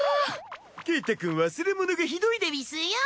ケータくん忘れ物がひどいでうぃすよ。